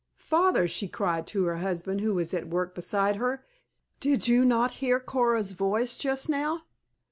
"Father," she cried to her husband who was at work beside her, "did you not hear Coora's voice just now?"